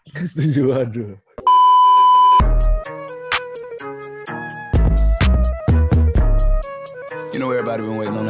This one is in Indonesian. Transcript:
nggak setuju nggak setuju